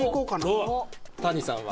谷さんは？